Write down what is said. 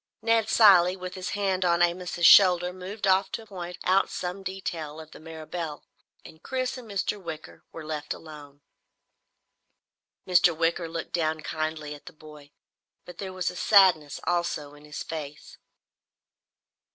Ned Cilley, with his hand on Amos's shoulder, moved off to point out some detail of the Mirabelle, and Chris and Mr. Wicker were left alone. Mr. Wicker looked down kindly at the boy, but there was a sadness also in his face.